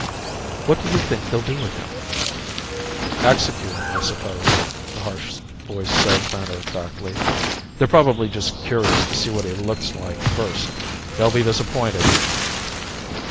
"What do you think they'll do with him?" "Execute him, I suppose," the harsh voice said matter of factly. "They're probably just curious to see what he looks like first. They'll be disappointed."